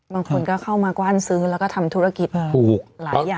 บางคนก็เข้ามากว้านซื้อแล้วก็ทำธุรกิจหลายอย่าง